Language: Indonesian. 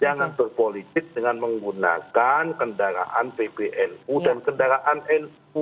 jangan berpolitik dengan menggunakan kendaraan pbnu dan kendaraan nu